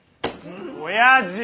おやじ！